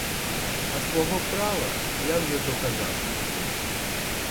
А свого права я вже доказав.